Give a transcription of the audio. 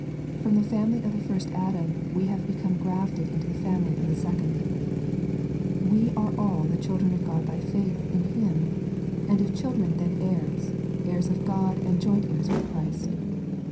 From the family of the first Adam, we have become grafted into the family of the Second. We are all the children of Ood by faith in Him, and if children then heirs, heirs of Ood, and jcdnt heirs with Christ.